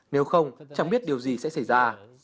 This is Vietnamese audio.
nếu không chẳng biết điều gì sẽ xảy ra